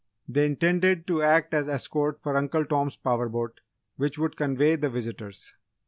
They intended to act as escort for Uncle Tom's power boat which would convey the visitors.